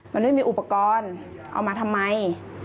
มันไม่มีอุปกรณ์เอามาทำไม